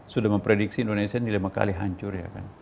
sudah memprediksi indonesia lima kali hancur